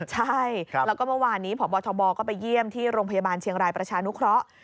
ใช่แล้วก็เมื่อวานนี้พบทบก็ไปเยี่ยมที่โรงพยาบาลเชียงรายประชานุเคราะห์